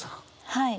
はい。